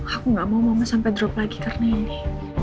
aku gak mau mama sampai drop lagi karena ini